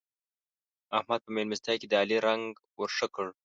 احمد په مېلمستيا کې د علي رنګ ور ښه کړ.